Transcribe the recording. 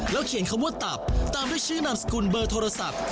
เขียนคำว่าตับตามด้วยชื่อนามสกุลเบอร์โทรศัพท์